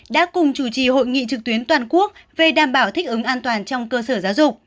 đã cùng chủ trì hội nghị trực tuyến toàn quốc về đảm bảo thích ứng an toàn trong cơ sở giáo dục